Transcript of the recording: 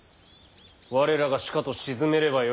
我らがしかと鎮めればよい。